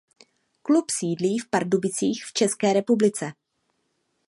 Klub sídlí v Pardubicích v České republice.